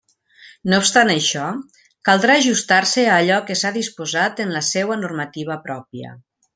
No obstant això, caldrà ajustar-se a allò que s'ha disposat en la seua normativa pròpia.